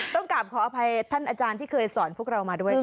ต้องกลับขออภัยท่านอาจารย์ที่เคยสอนพวกเรามาด้วย